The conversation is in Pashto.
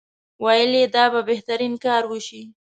ویل یې دا به بهترین کار وشي.